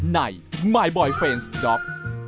ในมายบอยเฟรนสด็อก